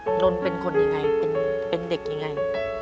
นนท์เป็นคนยังไงเป็นเด็กยังไง